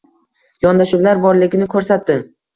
yondashuvlar borligini ko‘rsatdi.